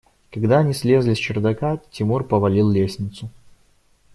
Когда они слезли с чердака, Тимур повалил лестницу.